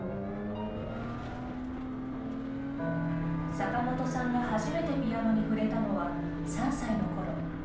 坂本さんが初めてピアノに触れたのは３歳のころ。